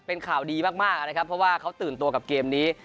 เป็นข่าวดีมากนะครับเพราะว่าเขาตื่นตัวกับเกมนี้